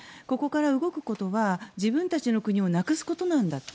ここから動くことは自分たちの国をなくすことなんだ。